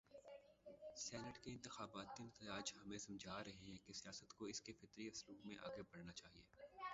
Senate کے انتخاباتی نتائج ہمیں سمجھا رہے ہیں کہ سیاست کو اس کے فطری اسلوب میں آگے بڑھنا چاہیے۔